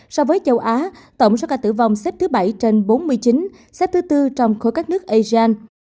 so với châu á tổng số ca tử vong xếp thứ bảy trên bốn mươi chín xếp thứ tư trong khối các nước asean